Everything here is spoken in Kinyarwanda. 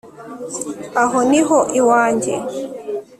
aho ni ho iwanjye